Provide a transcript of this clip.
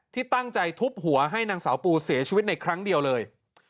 ที่ตั้งใจทุบหัวให้นางสาวปูเสียชีวิตในครั้งเดียวเลย